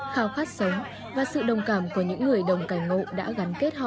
khao khát sống và sự đồng cảm của những người đồng cảnh ngộ đã gắn kết họ